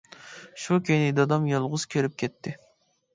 شۇ كۈنى دادام يالغۇز كىرىپ كەتتى.